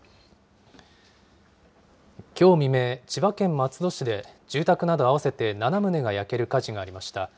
きょう未明、千葉県松戸市で住宅など合わせて７棟が焼ける火事がありました。